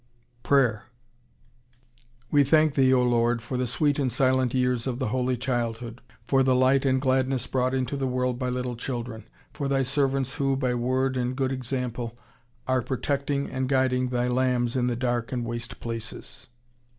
PRAYER We thank Thee, O Lord, For the sweet and silent years of the Holy Childhood. For the light and gladness brought into the world by little children. For Thy servants who, by word and good example, are protecting and guiding Thy lambs in the dark and waste places.